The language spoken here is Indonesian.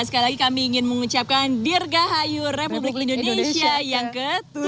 sekali lagi kami ingin mengucapkan dirgahayu republik indonesia yang ke tujuh puluh